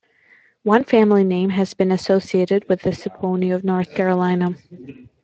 One family name has been associated with the Saponi of North Carolina.